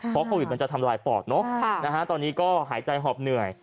เพราะโควิดมันจะทำลายปอดเนอะตอนนี้ก็หายใจหอบเหนื่อย